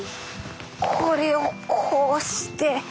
これをこうして。